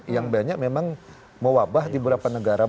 yang banyak memang mewabah di beberapa negara